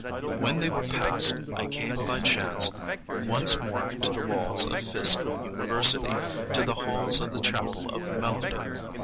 When they were past, I came by chance once more to the walls of Fisk University, to the halls of the chapel of melody.